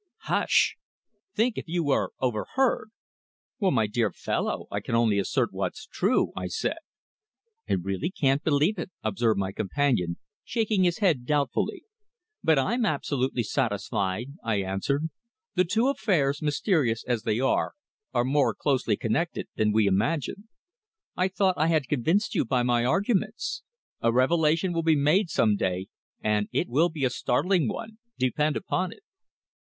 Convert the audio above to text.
"Hush! Think, if you were overheard!" "Well, my dear fellow, I only assert what's true," I said. "I really can't believe it," observed my companion, shaking his head doubtfully. "But I'm absolutely satisfied," I answered. "The two affairs, mysterious as they are, are more closely connected than we imagine. I thought I had convinced you by my arguments. A revelation will be made some day, and it will be a startling one depend upon it."